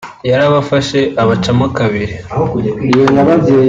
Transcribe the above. yarabafashe ibacamo kabiri